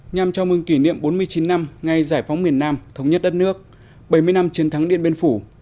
nhằm chào mừng kỷ niệm bốn mươi chín năm ngày giải phóng miền nam thống nhất đất nước bảy mươi năm chiến thắng điện biên phủ